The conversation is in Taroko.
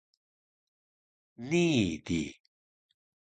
nii di